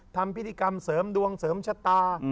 ทำพิธีกรรมเสริมดวงเสริมชะตา